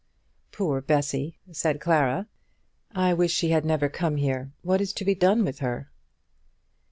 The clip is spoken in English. "Poor Bessy," said Clara. "I wish she had never come here. What is to be done with her?"